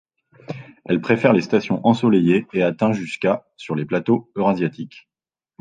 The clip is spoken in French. Elle préfère les stations ensoleillées et atteint jusqu'à sur les plateaux eurasiatiques.